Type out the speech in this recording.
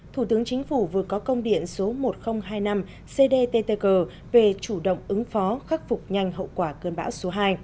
thủ tướng chính phủ vừa có công điện số một nghìn hai mươi năm cdttg về chủ động ứng phó khắc phục nhanh hậu quả cơn bão số hai